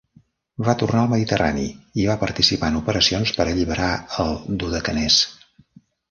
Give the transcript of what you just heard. Va tornar al Mediterrani i va participar en operacions per alliberar el Dodecanès.